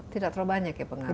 tidak terlalu banyak ya pengaruh